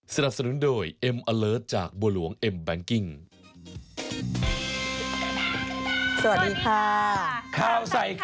สวัสดีค่ะ